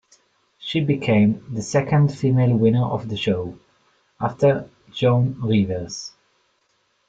She became the second female winner of the show, after Joan Rivers.